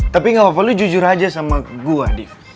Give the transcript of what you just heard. tapi nggak apa apa lo jujur aja sama gue div